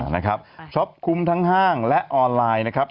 นะครับช็อปคุ้มทั้งห้างและออนไลน์นะครับ